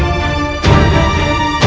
belum hanya satu